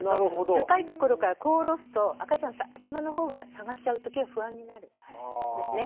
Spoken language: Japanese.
高いところからこう下ろすと赤ちゃん頭の方が下がっちゃう時が不安になるんですね。